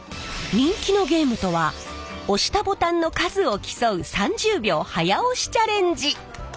人気のゲームとは押したボタンの数を競う３０秒早押しチャレンジ。